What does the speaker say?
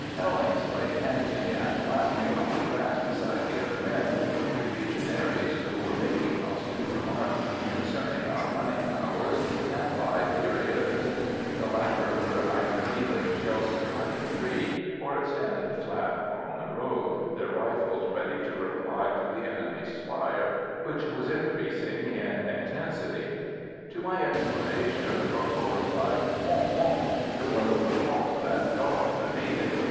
Hellincks lay panting and laughing on the grass beside the other men three Legionaries, who were making caustic remarks concerning our running powers, and five tirailleurs. The latter were either kneeling sheltered by the tree, or extended flat on the road, their rifles ready to reply to the enemy's fire, which was increasing in intensity. To my explanation the corporal replied: "Bon! bon! It was the fault of that dog of a native.